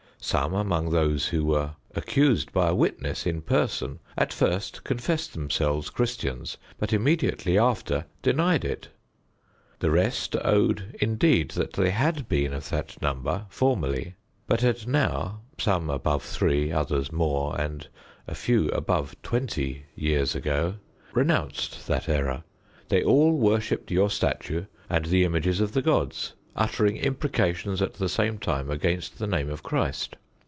Some among those who were accused by a witness in person at first confessed themselves Christians, but immediately after denied it: the rest owned indeed that they had been of that number formerly, but had now (some above three, others more, and a few above twenty years ago) renounced that error. They all worshipped your statue and the images of the gods, uttering imprecations at the same time against the name of Christ.